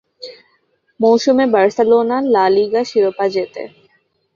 মৌসুমে Barcelona La Liga শিরোপা জেতে।